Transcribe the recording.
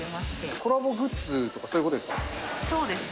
コラボグッズとか、そういうそうですね。